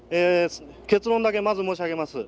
結論だけまず申し上げます。